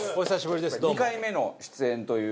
２回目の出演という事。